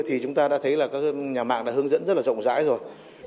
thì chúng ta đã thấy là các nhà mạng đã hướng dẫn rất là rộng rãi rồi